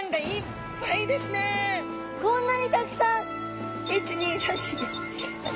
こんなにたくさん！